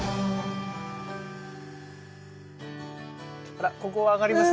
あらここを上がります？